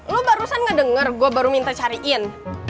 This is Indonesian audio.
lo barusan gak denger gue baru minta cariin